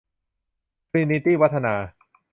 ทรีนีตี้ วัฒนา